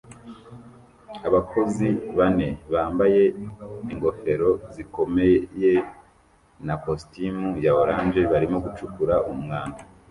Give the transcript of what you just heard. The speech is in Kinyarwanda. Abakozi bane bambaye ingofero zikomeye na kositimu ya orange barimo gucukura umwanda